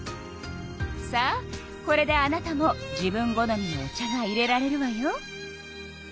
さあこれであなたも自分好みのお茶がいれられるわよ。